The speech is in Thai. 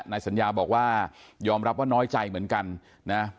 นายสัญญาบอกว่ายอมรับว่าน้อยใจเหมือนกันนะ